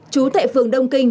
chú thệ phường đông kinh